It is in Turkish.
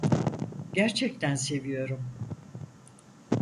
Gerçekten seviyorum.